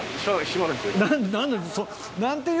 何だ。